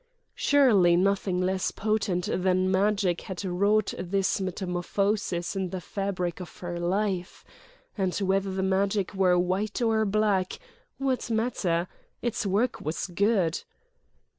Surely nothing less potent than magic had wrought this metamorphosis in the fabric of her life! And whether the magic were white or black—what matter? Its work was good.